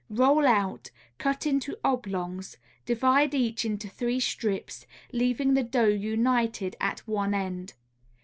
Roll out, cut into oblongs; divide each into three strips, leaving the dough united at one end.